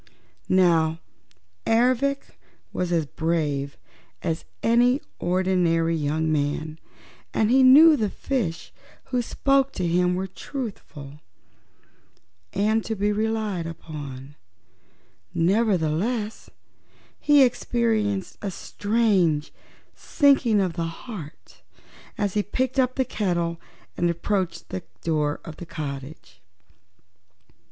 Now Ervic was as brave as any ordinary young man, and he knew the fishes who spoke to him were truthful and to be relied upon, nevertheless he experienced a strange sinking of the heart as he picked up the kettle and approached the door of the cottage.